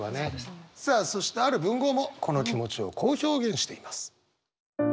さあそしてある文豪もこの気持ちをこう表現しています。